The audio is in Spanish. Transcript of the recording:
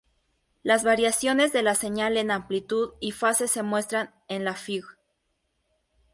Las variaciones de la señal en amplitud y fase se muestran en la Fig.